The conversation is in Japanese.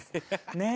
ねえ。